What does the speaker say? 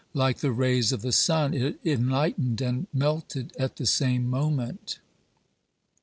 Like the rays of the sun, it enlightened and melted at the same moment.